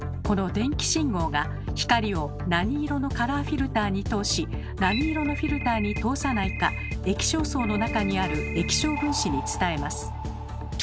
この電気信号が光を何色のカラーフィルターに通し何色のフィルターに通さないか液晶層の中にある液晶分子に伝えます。